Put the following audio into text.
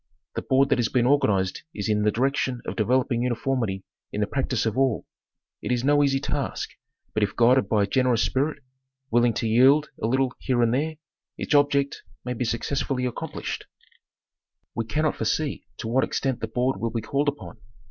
The board that has been organized is in the direction of developing uni formity in the practice of all. It is no easy task, but if guided by a generous spirit, willing to yield a little here and there, its object may be successfully accomplished. Geographic Nomenclature. — 265 We cannot foresee to what extent the board will be called upon.